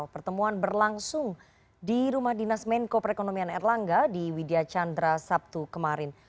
pertemuan berlangsung di rumah dinas menko perekonomian erlangga di widya chandra sabtu kemarin